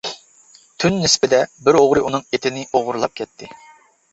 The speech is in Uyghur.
تۈن نىسبىدە بىر ئوغرى ئۇنىڭ ئېتىنى ئوغرىلاپ كەتتى.